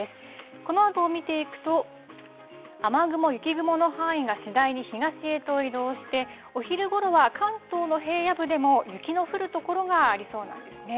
このあとを見ていくと、雨雲、雪雲の範囲が次第に東へと移動して、お昼ごろは関東の平野部でも、雪の降る所がありそうなんですね。